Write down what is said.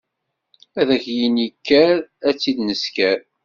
Ad ak-yini kker ad tt-id nesker.